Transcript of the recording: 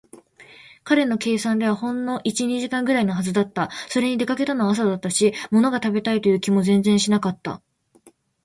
彼の計算ではほんの一、二時間ぐらいのはずだった。それに、出かけたのは朝だったし、ものが食べたいという気も全然しなかった。